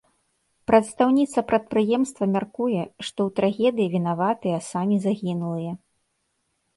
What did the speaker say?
Прадстаўніца прадпрыемства мяркуе, што ў трагедыі вінаватыя самі загінулыя.